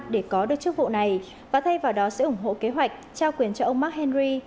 để có được chức vụ này và thay vào đó sẽ ủng hộ kế hoạch trao quyền cho ông mcenry